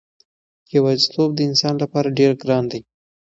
یوازېتوب د انسان لپاره ډېر ګران دی.